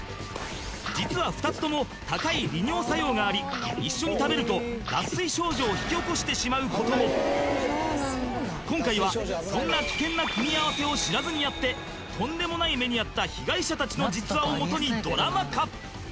実は２つとも高い利尿作用があり一緒に食べると脱水症状を引き起こしてしまうことも今回はそんな危険な組み合わせを知らずにやってとんでもない目に遭った被害者達の実話をもとにドラマ化